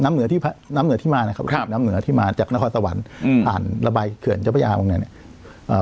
น้ำเหนือที่มานะครับน้ำเหนือที่มาจากนครสวรรค์ผ่านระบายเขื่อนเจ้าพญาบังเนี่ยเนี่ย